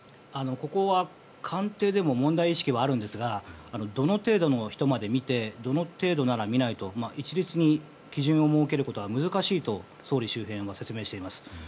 ここは官邸でも問題意識はあるんですがどの程度の人まで診てどの程度なら診ないと一律に基準を設けることは難しいと総理周辺は説明しています。